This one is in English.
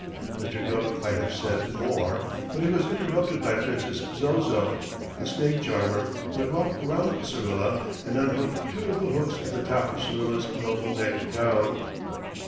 '" Mr. Gubb might have said more, but he was interrupted by Princess Zozo, the Snake Charmer, who had walked around Syrilla and unhooked two of the hooks at the top of Syrilla's low necked gown.